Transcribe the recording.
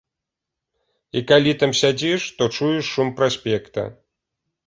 І калі там сядзіш, то чуеш шум праспекта.